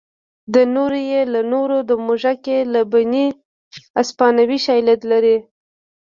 د نورو یې له نورو د موږک یې له بنۍ افسانوي شالید لري